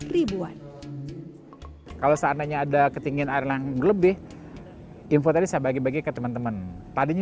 ribuan kalau seandainya ada ketinggian air yang berlebih info tadi saya bagi bagi ke teman teman tadinya